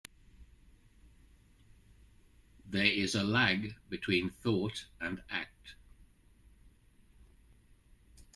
There is a lag between thought and act.